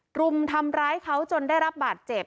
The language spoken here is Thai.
รุมทำร้ายเขาจนได้รับบาดเจ็บ